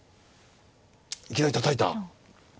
いきなりたたいた。